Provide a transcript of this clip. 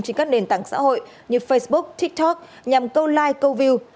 trên các nền tảng xã hội như facebook tiktok nhằm câu like câu view